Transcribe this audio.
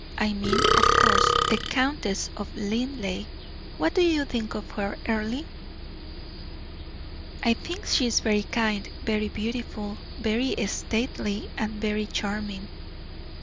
I mean, of course, the Countess of Linleigh. What do you think of her, Earle?" "I think she is very kind, very beautiful, very stately, and very charming."